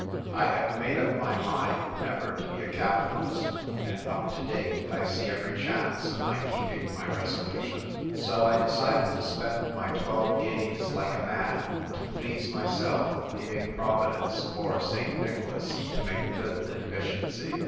I have made up AN AUTUMN HOLIDAY. 1 99 my mind never to be a capitalist ; and, up to date, I see every chance of my keeping my resolution. So I decided to spend my twelve guineas like a man, to please myself, leaving Providence or St. Nicholas to make good the deficiency.